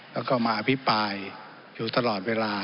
แล้วก็มาอภิปรายอยู่ตลอดเวลา